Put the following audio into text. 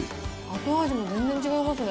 後味も全然違いますね。